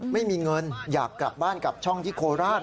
ไม่มีเงินอยากกลับบ้านกลับช่องที่โคราช